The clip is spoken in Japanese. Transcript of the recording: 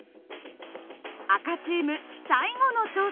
赤チーム最後の挑戦。